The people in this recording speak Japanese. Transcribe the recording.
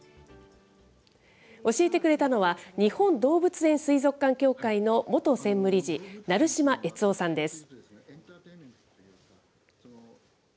教えてくれたのは、日本動物園水族館協会の元専務理事、成島悦雄さんです。